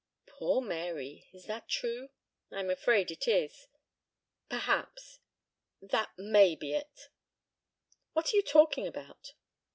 "Poor Mary! Is that true?" "I'm afraid it is ... perhaps ... that may be it. ..." "What are you talking about?"